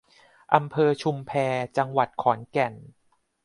อำเภอชุมแพ จังหวัดขอนแก่น